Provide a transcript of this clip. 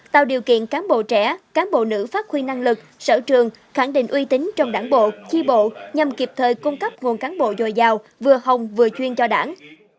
tạo điều kiện cán bộ trẻ cán bộ nữ phát huy năng lực sở trường khẳng định uy tín trong đảng bộ chi bộ nhằm kịp thời cung cấp nguồn cán bộ dồi dào vừa hồng vừa chuyên cho đảng